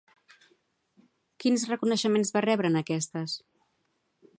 Quins reconeixements va rebre en aquestes?